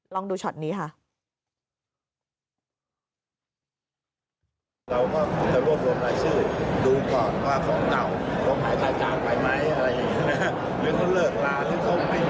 ลองดูช็อตนี้ค่ะ